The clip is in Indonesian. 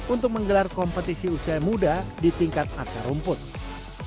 untuk menggelar kompetisi usia muda di tingkat akar rumput